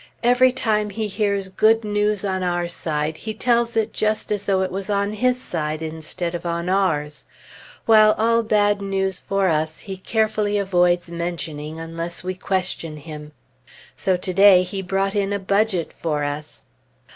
Every time he hears good news on our side, he tells it just as though it was on his side, instead of on ours; while all bad news for us he carefully avoids mentioning, unless we question him. So to day he brought in a budget for us.